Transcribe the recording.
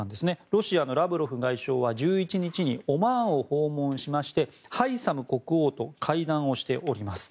ロシアのラブロフ外相は１１日にオマーンを訪問しましてハイサム国王と会談をしております。